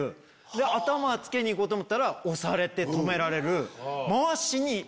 頭つけに行こうと思ったら押されて止められる。